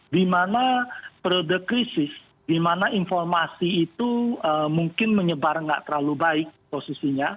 dimana periode krisis dimana informasi itu mungkin menyebar nggak terlalu baik posisinya